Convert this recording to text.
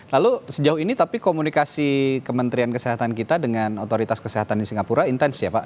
lalu sejauh ini tapi komunikasi kementerian kesehatan kita dengan otoritas kesehatan di singapura intens ya pak